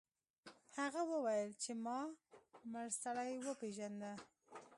هغه وویل چې ما مړ سړی وپیژنده.